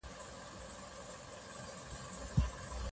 خورې زلفې یې په ګرمو اوبو بارشوې